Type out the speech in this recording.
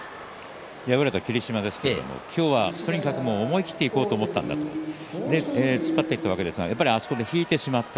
敗れた霧島は今日はとにかく思い切っていこうと思ったんだと突っ張っていったわけですがあそこで引いてしまった。